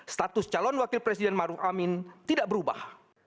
status calon wakil presiden maruf amin tidak berubah